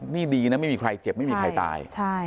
นี่ดีนะไม่มีใครเจ็บไม่มีใครตาย